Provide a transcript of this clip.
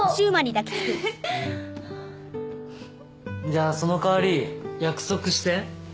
じゃあそのかわり約束して？